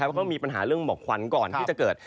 เพราะมีปัญหาเรื่องหมอกควันก่อนที่จะเกิด